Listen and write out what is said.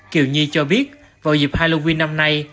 kiều nhi cho biết vào dịp halloween năm nay